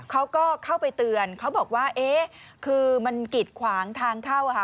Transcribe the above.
เขาก็เข้าไปเตือนเขาบอกว่าเอ๊ะคือมันกิดขวางทางเข้าค่ะ